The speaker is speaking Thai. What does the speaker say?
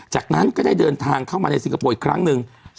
จากนั้นก็ได้เดินทางเข้ามาในสิงคโปร์อีกครั้งหนึ่ง